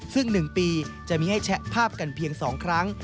ซึ่ง๑ปีจะมีให้แชะภาพกันเพียง๒ครั้ง